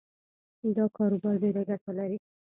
دا کاروبار ډېره ګټه لري